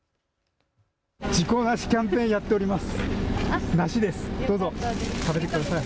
事故ナシキャンペーンやっております。